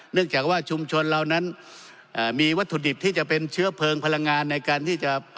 จากว่าชุมชนเรานั้นมีวัตถุดิบที่จะเป็นเชื้อเพลิงพลังงานในการที่จะ